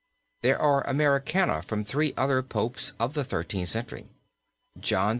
There are Americana from three other Popes of the Thirteenth Century. John XXI.